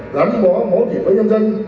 gắn bó mẫu chỉ với nhân dân